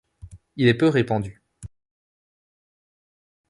Il est peu répandu.